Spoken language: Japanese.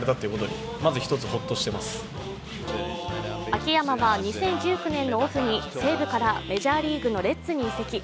秋山は２０１９年のオフに西武からメジャーリーグのレッズに移籍。